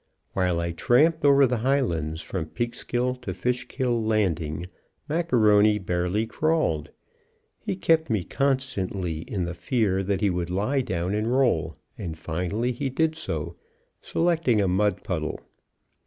While I tramped over the highlands from Peekskill to Fishkill Landing, Macaroni barely crawled. He kept me constantly in the fear that he would lie down and roll, and finally he did so, selecting a mud puddle.